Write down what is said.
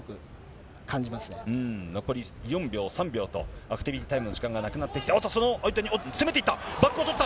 残り４秒、３秒と、アクティビティタイムの時間がなくなって、おっと、その間に攻めていった、バックを取った。